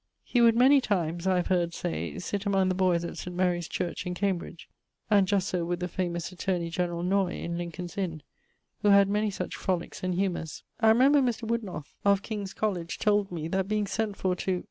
He would many times (I have heard say) sitt among the boyes at St. Maries church in Cambridge (☞ and just so would the famous attorney generall Noy, in Lincoln's Inne, who had many such froliques and humours). I remember Mr. Wodenoth, of King's College, told me, that being sent for to